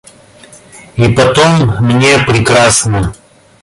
И потом мне прекрасно.